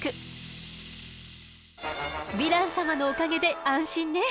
ヴィラン様のおかげで安心ね。